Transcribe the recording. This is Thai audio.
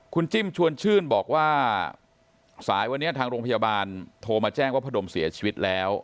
คุณจิ้มชวนชื่นบอกว่าสายวันนี้ทางโรงพยาบาลโทรมาแจ้งว่าพะดมเสียชีวิตแล้ว